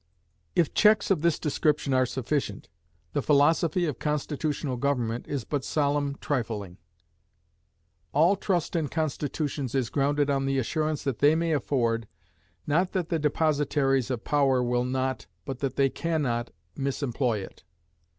If checks of this description are sufficient, the philosophy of constitutional government is but solemn trifling. All trust in constitutions is grounded on the assurance they may afford, not that the depositaries of power will not, but that they can not misemploy it.